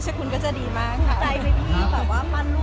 นิชคุณก็จะดีมากค่ะ